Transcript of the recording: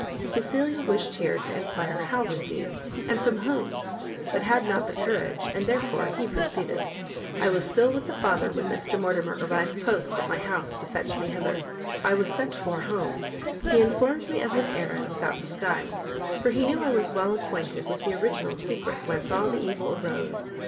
Cecilia wished here to enquire how received, and from whom, but had not the courage, and therefore he proceeded. "I was still with the father when Mr Mortimer arrived post at my house to fetch me hither. I was sent for home; he informed me of his errand without disguise, for he knew I was well acquainted with the original secret whence all the evil arose.